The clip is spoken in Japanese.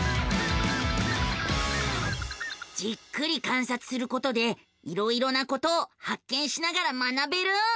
じっくり観察することでいろいろなことを発見しながら学べる。